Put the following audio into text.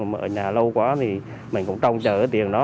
mà ở nhà lâu quá thì mình cũng trông chờ cái tiền đó